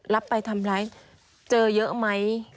ไปทำร้ายเจอเยอะไหม